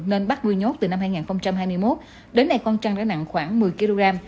nên bắt nuôi nhốt từ năm hai nghìn hai mươi một đến nay con trăn đã nặng khoảng một mươi kg